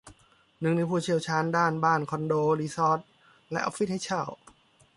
หนึ่งในผู้เชี่ยวชาญด้าน บ้าน คอนโด รีสอร์ท และออฟฟิศให้เช่า